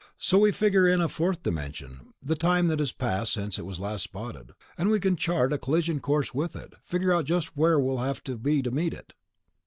So we figure in a fourth dimension ... the time that's passed since it was last spotted ... and we can chart a collision course with it, figure out just where we'll have to be to meet it."